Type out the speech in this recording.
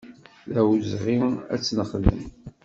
D awezɣi ad tt-nexdem.